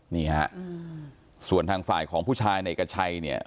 นี่ฮะส่วนทางฝ่ายของผู้ชายในเอกชัยเนี่ย